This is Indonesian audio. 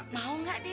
mau gak dia